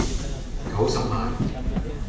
九十萬